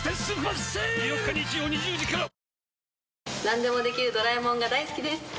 なんでもできるドラえもんが大好きです。